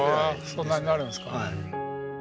そんなになるんですか。